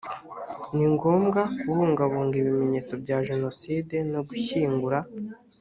ni ngombwa kubungabunga ibimenyetso bya jenoside no gushyingura